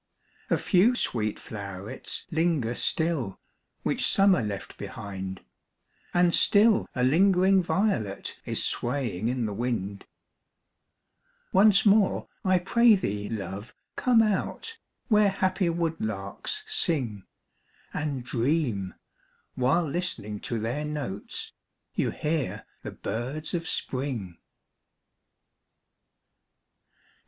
AN AUTUMN INVITATION. 115 A few sweet flow'rets linger still, Which Summer left behind ; And still a lingering violet Is swaying in the wind. Once more, I pray thee, love, come out, Where happy woodlarks sing, And dream, while listening to their notes, You hear the birds of Spring.